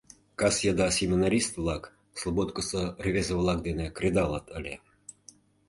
Кас еда семинарист-влак слободкысо рвезе-влак дене кредалыт ыле.